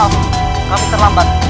siapa yang terlambat